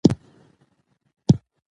فساد د هر نظام لپاره د زهرو په څېر دی.